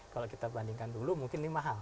kalau kita bandingkan dulu mungkin ini mahal